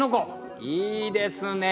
いいですね。